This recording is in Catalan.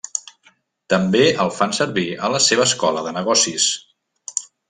També el fan servir a la seva Escola de Negocis.